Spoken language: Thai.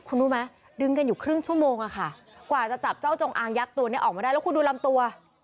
คุณรู้ไหมดึงกันอยู่ครึ่งชั่วโมงอะค่ะกว่าจะจับเจ้าจงอางยักษ์ตัวนี้ออกมาได้แล้วคุณดูลำตัว